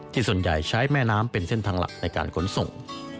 ส่วนใหญ่ใช้แม่น้ำเป็นเส้นทางหลักในการขนส่ง